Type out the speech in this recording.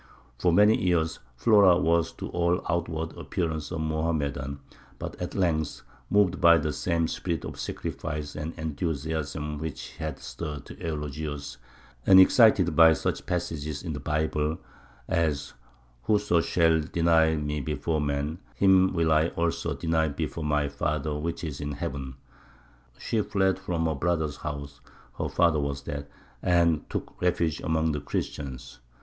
For many years Flora was to all outward appearance a Mohammedan; but at length, moved by the same spirit of sacrifice and enthusiasm which had stirred Eulogius, and excited by such passages in the Bible as, "Whoso shall deny Me before men, him will I also deny before My Father which is in heaven," she fled from her brother's house her father was dead and took refuge among the Christians.